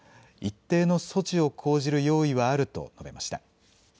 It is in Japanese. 一定の措置を講じる用意はあると述べました。